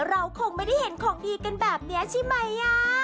เราคงไม่ได้เห็นของดีกันแบบนี้ใช่ไหม